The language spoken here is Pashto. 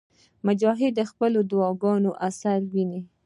مجاهد د خپلو دعاګانو اثر ویني.